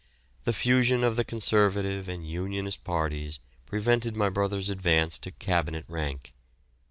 The fusion of the Conservative and Unionist parties prevented my brother's advance to Cabinet rank.